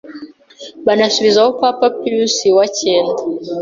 banasubizaho Papa Pius wa cyenda